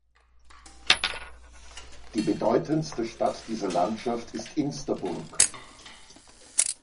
Die bedeutendste Stadt dieser Landschaft ist Insterburg.